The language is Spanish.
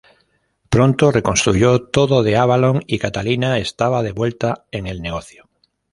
Pronto reconstruyó todo de Avalon, y Catalina estaba de vuelta en el negocio.